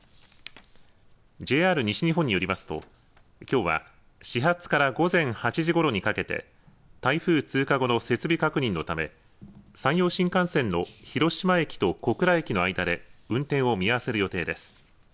ＪＲ西日本によりますときょうは始発から午前８時ごろにかけて台風通過後の設備確認のため山陽新幹線の広島駅と小倉駅の間で運転を見合わせる予定です。